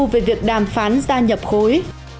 về việc đàm phán gia nhập khối